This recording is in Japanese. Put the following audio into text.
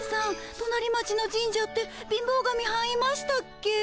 となり町の神社って貧乏神はんいましたっけ？